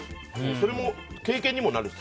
それも経験にもなるし。